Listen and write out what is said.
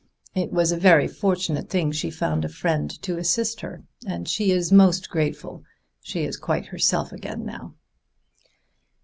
It was a very fortunate thing she found a friend to assist her, and she is most grateful. She is quite herself again now."